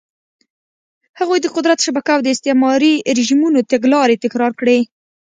هغوی د قدرت شبکه او د استعماري رژیمونو تګلارې تکرار کړې.